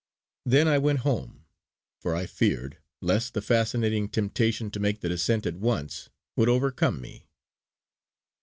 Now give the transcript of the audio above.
Then I went home, for I feared lest the fascinating temptation to make the descent at once would overcome me.